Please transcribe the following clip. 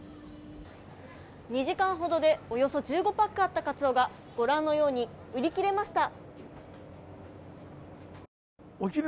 ２時間ほどでおよそ１５パックあったカツオがご覧のように売り切れました。